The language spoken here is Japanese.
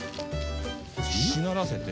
しならせて。